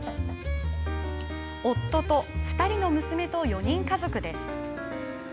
夫と２人の娘と４人家族です。